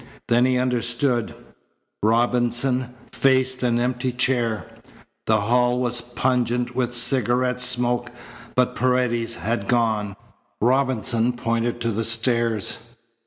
Then he understood: Robinson faced an empty chair. The hall was pungent with cigarette smoke, but Paredes had gone. Robinson pointed to the stairs.